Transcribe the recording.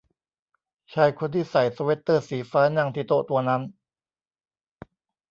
ชายคนที่ใส่สเวตเตอร์สีฟ้านั่งที่โต๊ะตัวนั้น